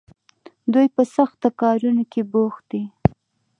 دوی په سختو کارونو کې بوخت دي.